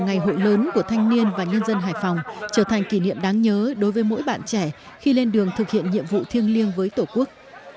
ngày hội lớn của thanh niên và nhân dân hải phòng trở thành kỷ niệm đáng nhớ đối với mỗi bạn trẻ khi lên đường thực hiện nhiệm vụ thiêng liêng với tổ quốc